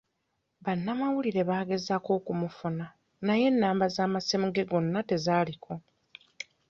Bannamawulire baagezaako okumufuna, naye ennamba z'amasimu ge gonna tezaaliko.